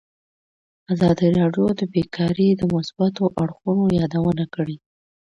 ازادي راډیو د بیکاري د مثبتو اړخونو یادونه کړې.